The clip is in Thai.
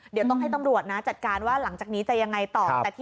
เดี๋ยวต้องให้ตำรวจนะจัดการว่าหลังจากนี้จะยังไงต่อ